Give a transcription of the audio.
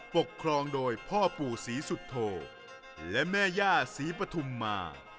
ปกครองโดยพ่อปู่ศรีสุโธและแม่ย่าศรีปฐุมมา